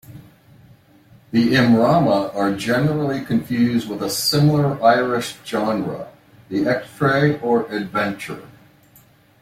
The immrama are generally confused with a similar Irish genre, the "echtrae" or "adventure".